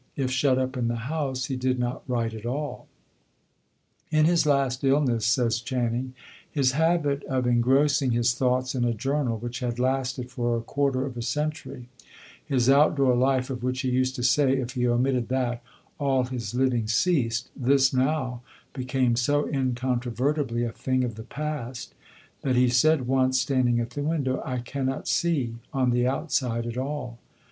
If shut up in the house, he did not write at all." In his last illness says Channing, "His habit of engrossing his thoughts in a journal, which had lasted for a quarter of a century, his out door life, of which he used to say, if he omitted that, all his living ceased, this now became so incontrovertibly a thing of the past that he said once, standing at the window, 'I cannot see on the outside at all.